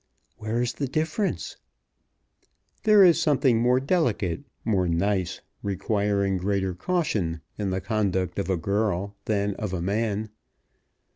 "Where is the difference?" "There is something more delicate, more nice, requiring greater caution in the conduct of a girl than of a man."